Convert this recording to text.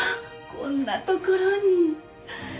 こんなところに。